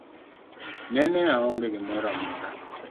Nene aonge gimoro amora.